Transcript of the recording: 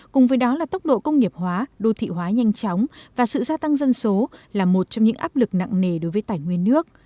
cùng với đó là tốc độ công nghiệp hóa đô thị hóa nhanh chóng và sự gia tăng dân số là một trong những áp lực nặng nề đối với tài nguyên nước